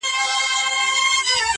نن مي بيا يادېږي ورځ تېرېږي.